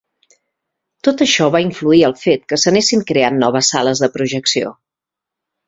Tot això va influir al fet que s'anessin creant noves sales de projecció.